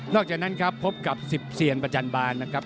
จากนั้นครับพบกับ๑๐เซียนประจันบานนะครับ